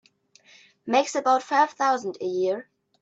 Makes about five thousand a year.